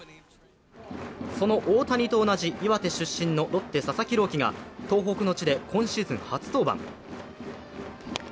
その大谷と同じ岩手出身のロッテ・佐々木朗希が東北の地で、今シーズン初登板。